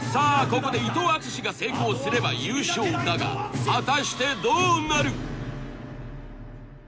ここで伊藤淳史が成功すれば優勝だが果たしてどうなる？